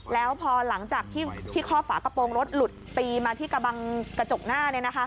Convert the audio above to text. แล้วพอหลังจากที่ข้อฝากระโปรงรถหลุดตีมาที่กระบังกระจกหน้า